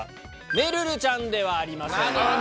めるるちゃんではありません。